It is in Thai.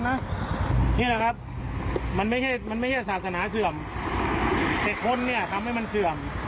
นี่ละครับมันไม่ใช่ศาลสนาเสื่อมเจ็ดคนเนี่ยทำให้มันเสื่อม